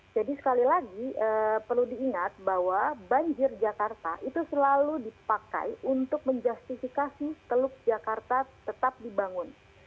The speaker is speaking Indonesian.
jadi sekali lagi perlu diingat bahwa banjir jakarta itu selalu dipakai untuk menjustifikasi teluk jakarta tetap dibangun